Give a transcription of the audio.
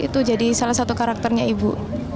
itu jadi salah satu karakternya ibu